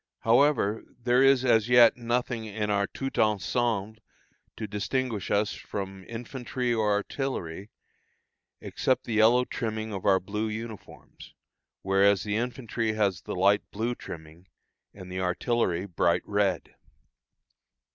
However, there is as yet nothing in our tout ensemble to distinguish us from infantry or artillery, except the yellow trimming of our blue uniforms, whereas the infantry has the light blue trimming, and the artillery bright red.